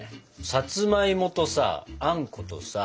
さつまいもとさあんことさ